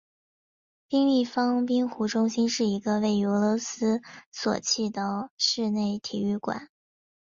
冰立方冰壶中心是一个位于俄罗斯索契的室内体育馆。